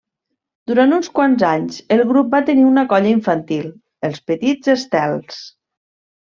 Durant uns quants anys, el grup va tenir una colla infantil, els Petits Estels.